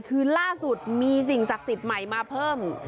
คือล่าสุดมีสิ่งศักดิ์สิทธิ์ใหม่มาเพิ่ม